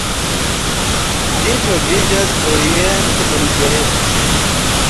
Ĝi troviĝas oriente de Liberec.